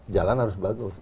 jalan harus bagus